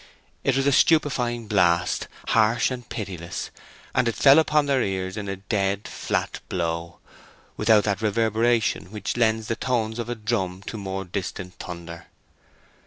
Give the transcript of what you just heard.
It was a stupefying blast, harsh and pitiless, and it fell upon their ears in a dead, flat blow, without that reverberation which lends the tones of a drum to more distant thunder.